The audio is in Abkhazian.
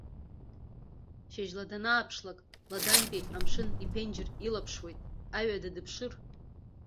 Шьыжьла данааԥшлак, ладантәи амшын иԥенџьыр илаԥшуеит, аҩада дыԥшыр.